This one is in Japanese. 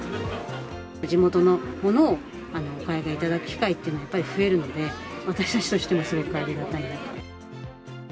地元のものをお買い上げいただく機会というのは、やっぱり増えるので、私たちとしてはすごくありがたいなと。